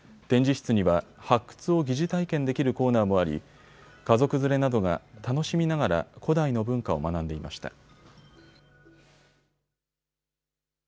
展示室には発掘を疑似体験できるコーナーもあり家族連れなどが楽しみながら古代の文化を学んでいました。